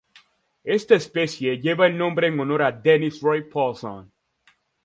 Esta especie lleva el nombre en honor a Dennis Roy Paulson.